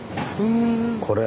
これ。